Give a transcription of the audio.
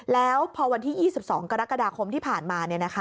แล้วพอวันที่๒๒กรกฎาคมที่ผ่านมา